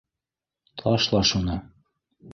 —- Ташла шуны